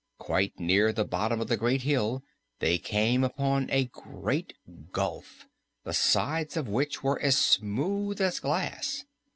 Quite near to the bottom of the great hill they came upon a great gulf, the sides of which were as smooth as glass.